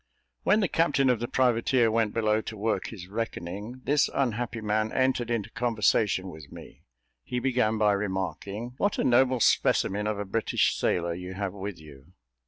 When the captain of the privateer went below to work his reckoning, this unhappy man entered into conversation with me he began by remarking "What a noble specimen of a British sailor you have with you."